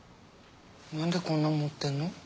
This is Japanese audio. なんでこんなん持ってんの？